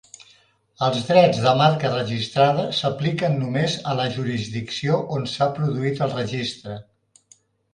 Els drets de marca registrada s'apliquen només a la jurisdicció on s'ha produït el registre.